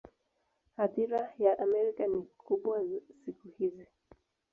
Athira ya Amerika ni kubwa siku hizi.